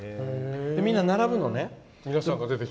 みんな並ぶのね。